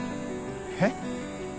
えっ？